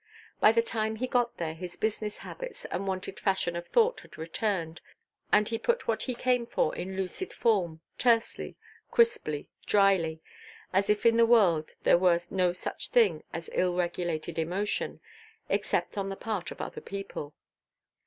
By the time he got there his business habits and wonted fashion of thought had returned, and he put what he came for in lucid form, tersely, crisply, dryly, as if in the world there were no such thing as ill–regulated emotion—except on the part of other people.